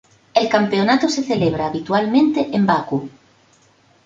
El campeonato se celebra habitualmente en Baku.